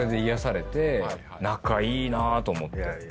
仲いいなと思って。